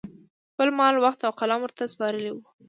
خپل مال، وخت او قلم ورته سپارلي وو